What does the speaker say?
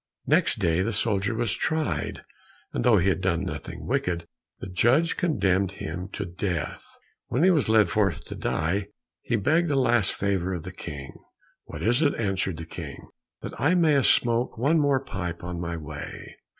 Next day the soldier was tried, and though he had done nothing wicked, the judge condemned him to death. When he was led forth to die, he begged a last favor of the King. "What is it?" asked the King. "That I may smoke one more pipe on my way."